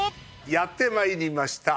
やって参りました。